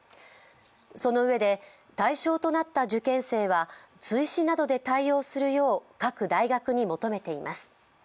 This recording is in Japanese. そのうえで対象となった受験生は追試などで対応するよう各大学に求めています。